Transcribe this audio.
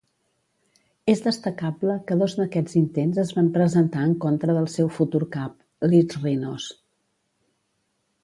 És destacable que dos d'aquests intents es van presentar en contra del seu futur cap, Leeds Rhinos.